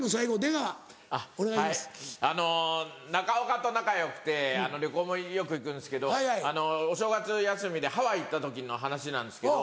はいあの中岡と仲よくて旅行もよく行くんですけどお正月休みでハワイ行った時の話なんですけど。